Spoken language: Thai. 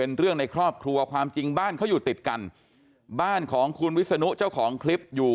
เอาคนนี้ทำผมเจ็บปวดมากหลายครั้งแล้ว